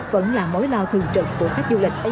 vẫn là mối lo thường trực của khách du lịch